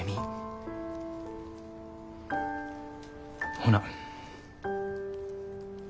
ほな。